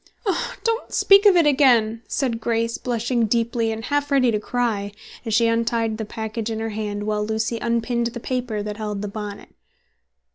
"Oh, don't speak of it again!" said Grace blushing deeply and half ready to cry, as she untied the package in her hand, while Lucy unpinned the paper that held the bonnet.